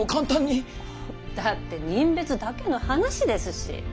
だって人別だけの話ですし。